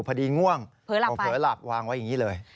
ง่วงเผลอหลับวางไว้อย่างนี้เลย